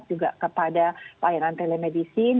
juga kepada layanan telemedicine